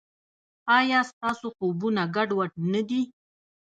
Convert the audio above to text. ایا ستاسو خوبونه ګډوډ نه دي؟